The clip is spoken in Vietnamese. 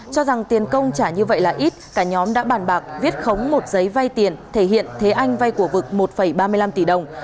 cho rằng tiền công trả như vậy là ít cả nhóm đã bàn bạc viết khống một giấy vay tiền thể hiện thế anh vay của vực một ba mươi năm tỷ đồng